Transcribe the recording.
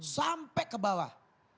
sampai ke bawah